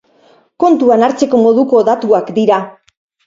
Kontuan hartzeko moduko datuak dira.